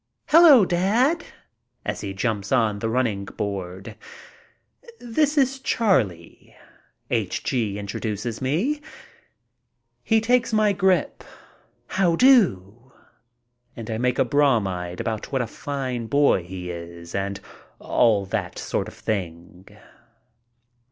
"Hello, dad," as he jumps on the running board. "This is Charlie," H. G. introduces me. He takes my grip. "How do?" and I make a bromide about what a fine boy he is and all that sort of thing.